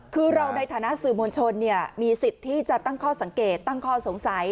คือเราในฐานะสื่อมวลชนมีสิทธิ์ที่จะตั้งข้อสังเกตตั้งข้อสงสัย